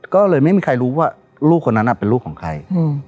ก็เลยไม่มีใครรู้ว่าลูกคนนั้นเป็นลูกของใคร